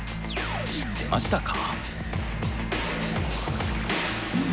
知ってましたか？